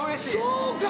そうか！